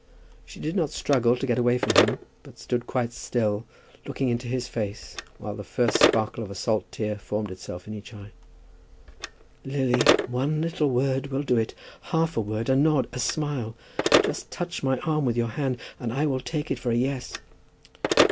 She did not struggle to get away from him, but stood quite still, looking into his face, while the first sparkle of a salt tear formed itself in each eye. "Lily, one little word will do it, half a word, a nod, a smile. Just touch my arm with your hand and I will take it for a yes."